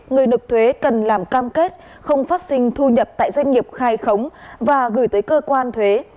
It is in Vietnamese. người nộp thuế cần làm cam kết không phát sinh thu nhập tại doanh nghiệp khai khống và gửi tới cơ quan thuế